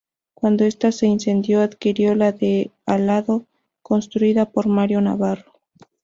Cuando esta se incendió, adquirió la de al lado, construida por Mario Navarro.